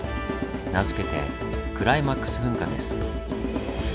名付けて「クライマックス噴火」です。